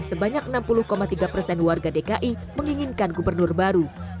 sebanyak enam puluh tiga persen warga dki menginginkan gubernur baru